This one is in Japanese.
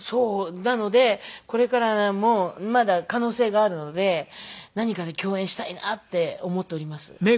なのでこれからもまだ可能性があるので何かで共演したいなって思っております。